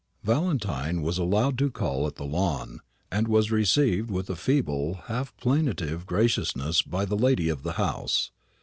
Valentine was allowed to call at the Lawn, and was received with a feeble, half plaintive graciousness by the lady of the house.